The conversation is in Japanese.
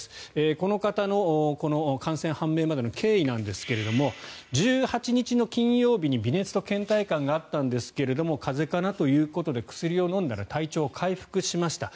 この方の感染判明までの経緯なんですが１８日の金曜日に微熱とけん怠感があったんですが風邪かなということで薬を飲んだら体調、回復しました。